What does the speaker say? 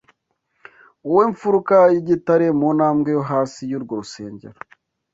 Wowe mfuruka yigitare muntambwe yo hasi Yurwo rusengero